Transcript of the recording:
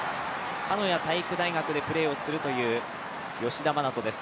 鹿屋体育大学でプレーをするという吉田真那斗です。